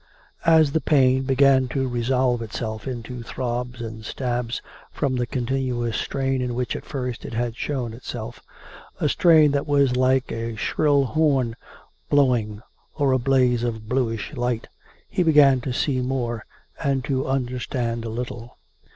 As the pain began to resolve itself into throbs and stabs, from the continuous strain in which at first it had shown itself — a strain that was like a shrill horn blowing, or a blaze of bluish light — he began to see more, and to under stand a little.